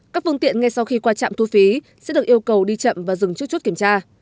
các phương tiện ngay sau khi qua trạm thu phí sẽ được yêu cầu đi chậm và dừng chút chút kiểm tra